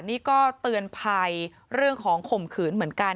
นี่ก็เตือนภัยเรื่องของข่มขืนเหมือนกัน